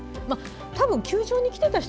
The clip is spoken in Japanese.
多分、球場に来ていた方